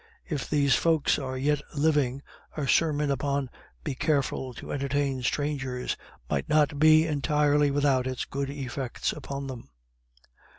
If those folks are yet living, a sermon upon "be careful to entertain strangers," might not be entirely without its good effects upon them.